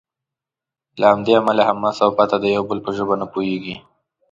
له همدې امله حماس او فتح د یو بل په ژبه نه پوهیږي.